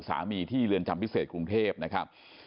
ที่เรือนจำพิเศษกรุงเทพนะครับ